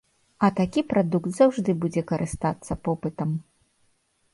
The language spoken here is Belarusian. А такі прадукт заўжды будзе карыстацца попытам.